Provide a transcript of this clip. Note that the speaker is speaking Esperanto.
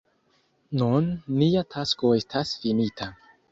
Nun nia tasko estas finita.